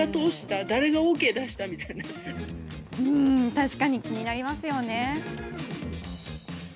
確かに気になりますよね。